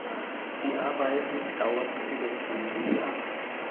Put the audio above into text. Die Arbeiten dauerten über zwanzig Jahre.